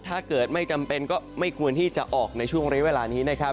ถ้าเกิดไม่จำเป็นก็ไม่ควรที่จะออกในช่วงเรียกเวลานี้นะครับ